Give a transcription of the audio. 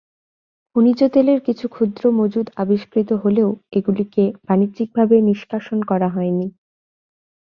খনিজ তেলের কিছু ক্ষুদ্র মজুদ আবিষ্কৃত হলেও এগুলিকে বাণিজ্যিকভাবে নিষ্কাশন করা হয়নি।